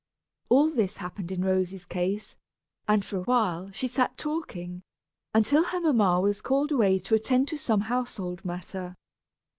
All this happened in Rosy's case, and for awhile she sat talking, until her mamma was called away to attend to some household matter.